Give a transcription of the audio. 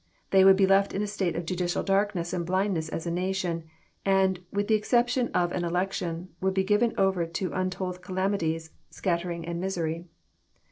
They would be left in a state of Judicial darkness and blindness as a nation, and, with the exception of an election, would be given over to nntold calamities, scattering, and misery.